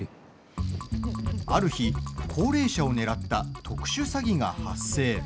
ある日、高齢者を狙った特殊詐欺が発生。